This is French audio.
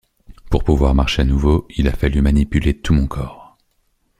Pour pouvoir marcher à nouveau, il a fallu manipuler tout mon corps.